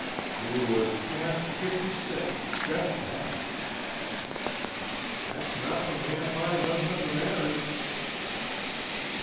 "He was past fifty six just past." "That's not the man my husband married."